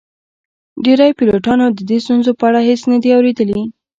ډیری پیلوټانو د دې ستونزو په اړه هیڅ نه دي اوریدلي